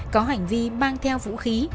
có hành vi mang theo vũ khí